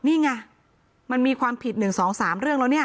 นี่ไงมันมีความผิด๑๒๓เรื่องแล้วเนี่ย